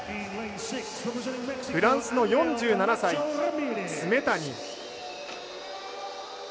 フランスの４７歳、スメタニン。